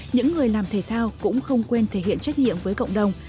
những người làm thể thao cũng không quên thể hiện trách nhiệm với cộng đồng